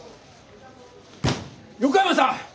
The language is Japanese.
横山さん！